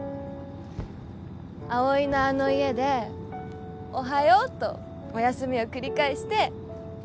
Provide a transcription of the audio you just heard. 葵のあの家でおはようとおやすみを繰り返して